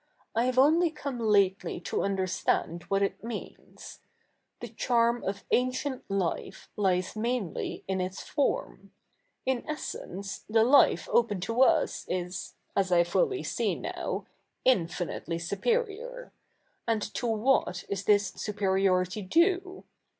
I have 07ily cottie lately to U7iderstand what it i7ieans. The cha7'm of CH. ivj THE NEW REPUBLIC 169 a/iiieuJ life lies mai?ily in i/s form. In essence, the life open to us is, as I fully see now, infinitely supei'ior. And to what is this superiority due